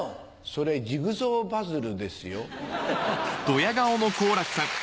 それジグソーパズルですよ。